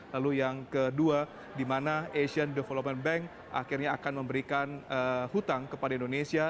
lalu yang kedua di mana asian development bank akhirnya akan memberikan hutang kepada indonesia